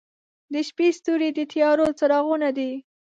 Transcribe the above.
• د شپې ستوري د تیارو څراغونه دي.